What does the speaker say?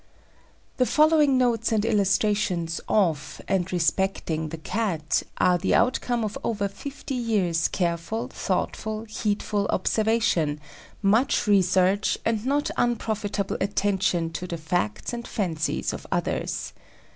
The following notes and illustrations of and respecting the Cat are the outcome of over fifty years' careful, thoughtful, heedful observation, much research, and not unprofitable attention to the facts and fancies of others.